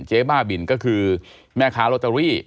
บ้าบินก็คือแม่ค้าลอตเตอรี่